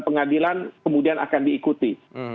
pengadilan kemudian akan diikuti